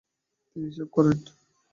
তিনি হিসাব করেন।